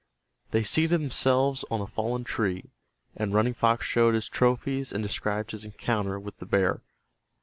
They seated themselves on a fallen tree, and Running Fox showed his trophies and described his encounter with the bear.